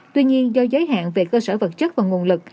tuy nhiên do giới hạn về cơ sở vật chất và nguồn lực